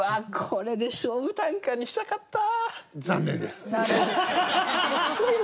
これで勝負短歌にしたかった。